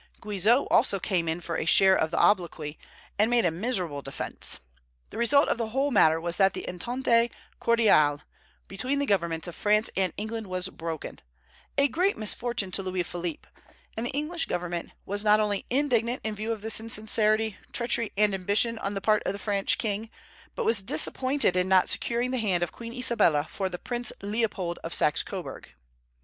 Guizot also came in for a share of the obloquy, and made a miserable defence. The result of the whole matter was that the entente cordiale between the governments of France and England was broken, a great misfortune to Louis Philippe; and the English government was not only indignant in view of this insincerity, treachery, and ambition on the part of the French king, but was disappointed in not securing the hand of Queen Isabella for Prince Leopold of Saxe Coburg.